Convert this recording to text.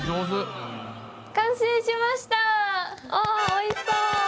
おおいしそう！